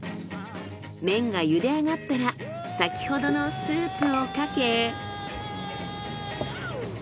麺がゆで上がったら先ほどのスープをかけ。